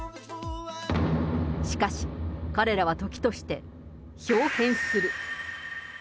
しかし、彼らは時としてひょう変する。